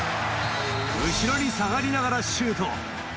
後ろに下がりながらシュート。